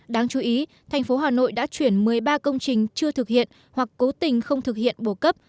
đáng chú ý thành phố hà nội đã chuyển một mươi ba công trình chưa thực hiện hoặc cố tình không thực hiện bổ cấp